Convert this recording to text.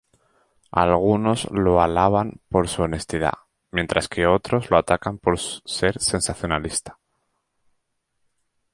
Algunos lo alaban por su honestidad, mientras que otros lo atacan por sensacionalista.